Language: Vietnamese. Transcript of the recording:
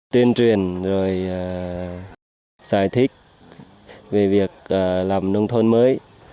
tuyên truyền rồi giải thích về việc làm nông thôn mới